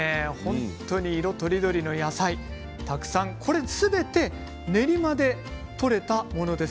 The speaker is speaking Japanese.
本当に色とりどりの野菜たくさんこれすべて練馬で取れたものです。